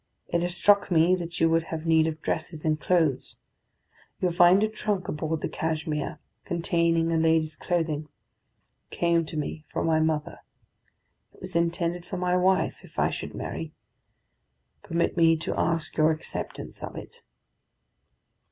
It has struck me that you would have need of dresses and clothes. You will find a trunk aboard the Cashmere, containing a lady's clothing. It came to me from my mother. It was intended for my wife if I should marry. Permit me to ask your acceptance of it."